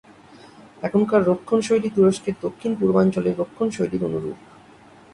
এখানকার রন্ধনশৈলী তুরস্কের দক্ষিণ-পূর্বাঞ্চলের রন্ধনশৈলীর অনুরূপ।